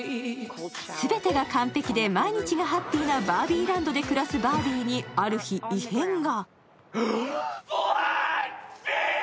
全てが完璧で毎日がハッピーなバービーランドで暮らすバービーにある日、異変が。